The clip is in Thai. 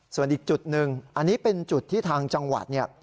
ส่วนอีกจุดหนึ่งอันนี้เป็นจุดที่ทางจังหวัดเนี่ย